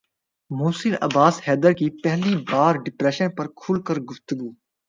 محسن عباس حیدر کی پہلی بار ڈپریشن پر کھل کر گفتگو